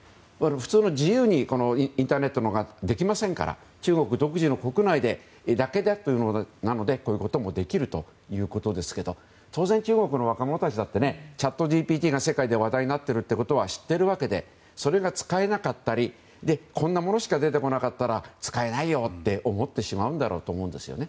自由にインターネットができませんから、中国独自の国内だけでということなのでこういうこともできるということですけど当然、中国の若者たちだってチャットＧＰＴが世界で話題になっているということは知っているわけでそれが使えなかったりこんなものしか出てこなかったら使えないよって思ってしまうんだろうと思うんですね。